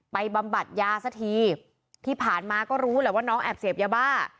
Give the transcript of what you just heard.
บำบัดยาสักทีที่ผ่านมาก็รู้แหละว่าน้องแอบเสพยาบ้า